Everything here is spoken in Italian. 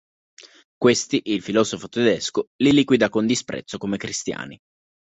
Questi il filosofo tedesco li liquida con disprezzo come cristiani.